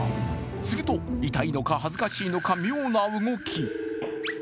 すると痛いのか恥ずかしいのか妙な動き。